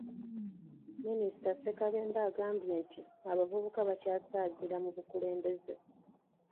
Minisita Ssekabembe agambye nti abavubuka bakyasaagira mu bukulembeze.